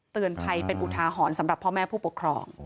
เตือนภัยเป็นอุทาหรณ์สำหรับพ่อแม่ผู้ปกครอง